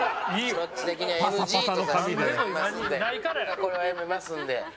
これはやめますんで。